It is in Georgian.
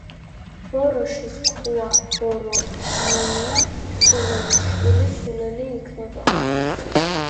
ბოროში სქუა ბორო იჸინია სულელის შვილი სულელი იქნებაო